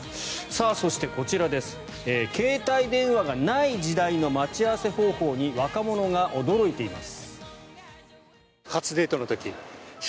そして、こちら携帯電話がない時代の待ち合わせ方法に若者が驚いています。